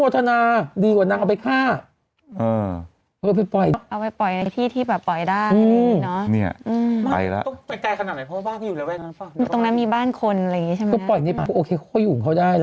ไม่นะนางลากดึงหัวมันไปเหรอ